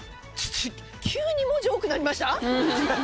急に文字多くなりました！？